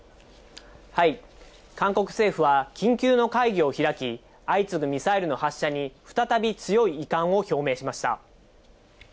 韓国政府は緊急の会議を開き、相次ぐミサイルの発射に、再び強い遺憾を表明しました。